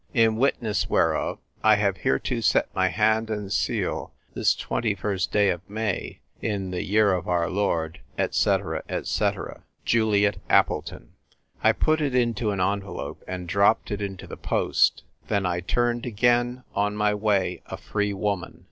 In witness whereof I have hereto set my hand and seal, this twenty first day of May, in the year of our Lord, &c., &c. "JULIET APPLETON." I put it into an envelope and dropped it into the post ; then I turned again on my way, a Free Woman.